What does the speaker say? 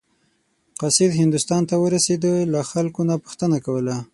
قاصد هندوستان ته ورسېده له خلکو نه پوښتنه کوله.